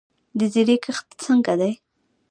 د زیرې کښت څنګه دی؟